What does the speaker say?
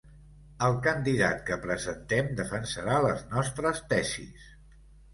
El candidat que presentem defensarà les nostres tesis.